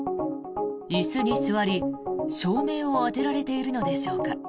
椅子に座り、照明を当てられているのでしょうか。